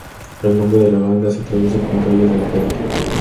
El nombre de la banda se traduce como "Reyes de la Calle".